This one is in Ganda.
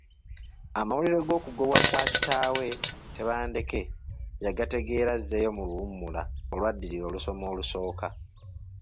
Amawulire g’okugobwa kwa kitaawe Tebandeke yagategeera azzeeyo mu luwummula olwaddirira olusoma olusooka.